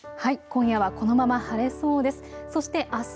今夜はこのまま晴れそうです。